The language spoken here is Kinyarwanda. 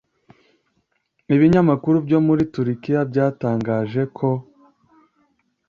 Ibinyamakuru byo muri Turikiya byatangaje ko